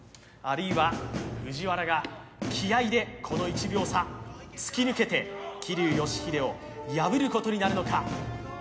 あるいは藤原が気合いでこの１秒差突き抜けて桐生祥秀を破ることになるのか。